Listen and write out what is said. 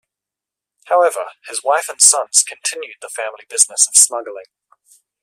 However, his wife and sons continued the family business of smuggling.